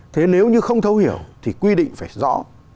thế nếu như không thấu hiểu thì quy định phải rõ